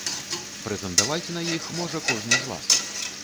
Прэтэндаваць на іх можа кожны з вас.